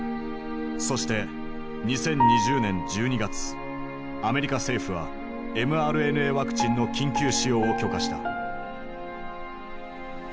そしてアメリカ政府はｍＲＮＡワクチンの緊急使用を許可した。